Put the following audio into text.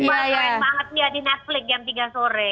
iya keren banget ya di netflix jam tiga sore